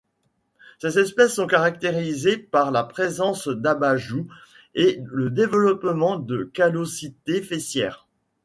Ces espèces sont caractérisées par la présence d'abajoues et le développement de callosités fessières.